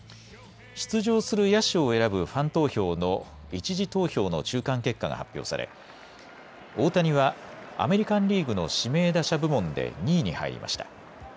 出場する野手を選ぶファン投票の１次投票の中間結果が発表され、大谷はアメリカンリーグの指名打者部門で２位に入りました。